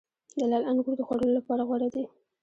د لعل انګور د خوړلو لپاره غوره دي.